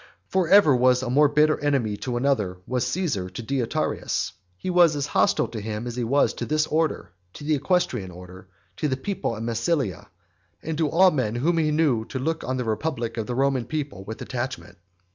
For who ever was a more bitter enemy to another than Caesar was to Deiotarus? He was as hostile to him as he was to this order, to the equestrian order, to the people of Massilia, and to all men whom he knew to look on the republic of the Roman people with attachment.